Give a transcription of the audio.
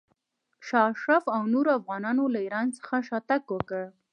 شاه اشرف او نورو افغانانو له ایران څخه شاته تګ وکړ.